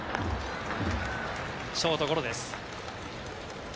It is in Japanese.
ショートゴロです。